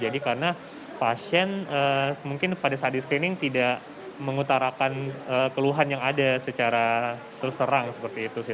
jadi karena pasien mungkin pada saat di screening tidak mengutarakan keluhan yang ada secara terus terang seperti itu sih